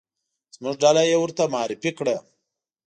زموږ ډله یې ورته معرفي کړه.